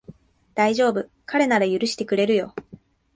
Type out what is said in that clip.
だいじょうぶ、彼なら許してくれるよ